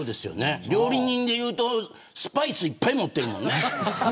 料理人でいうとスパイスいっぱい持ってるもんね